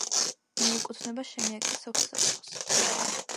მიეკუთვნება შემიაკის სოფსაბჭოს.